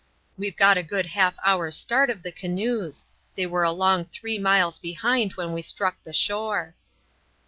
We've got a good half hour's start of the canoes; they were a long three miles behind when we struck the shore."